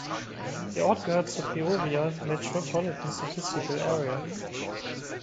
Der Ort gehört zur Peoria Metropolitan Statistical Area.